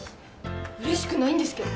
うれしくないんですけど。